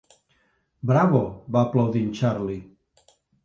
"Bravo!", va aplaudir en Charlie.